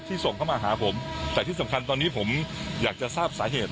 ส่งเข้ามาหาผมแต่ที่สำคัญตอนนี้ผมอยากจะทราบสาเหตุ